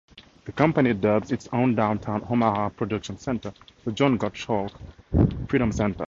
The company dubs its downtown Omaha production center the John Gottschalk Freedom Center.